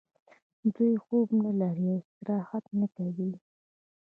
دوی خوب نلري او استراحت نه کوي